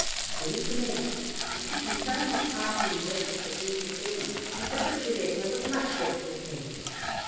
Then he commenced repeating so many tire some invectives against the fairies that the good Gilletta was much vexed with him.